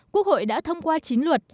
quốc hội đã thông qua chín luật